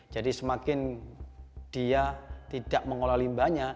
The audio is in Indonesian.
jadi semakin dia tidak mengolah limbah